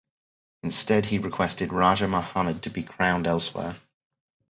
Instead, he requested Raja Muhammad to be crowned elsewhere.